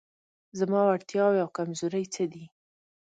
زما وړتیاوې او کمزورۍ څه دي؟